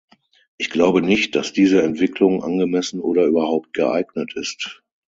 Ich glaube nicht, dass diese Entwicklung angemessen oder überhaupt geeignet ist.